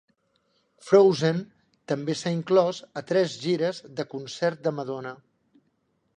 "Frozen" també s'ha inclòs a tres gires de concert de Madonna.